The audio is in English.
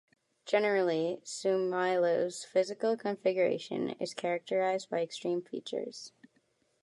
Generally, Sumilao's physical configuration is characterized by extreme features.